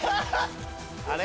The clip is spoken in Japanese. あれ？